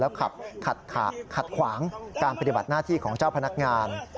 ขับขัดขวางการปฏิบัติหน้าที่ของเจ้าพนักงาน